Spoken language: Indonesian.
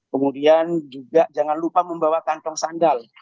kemudian juga jangan lupa membawa kantong sandal